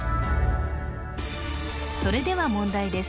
それでは問題です